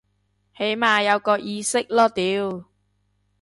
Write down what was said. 起碼有個意識囉屌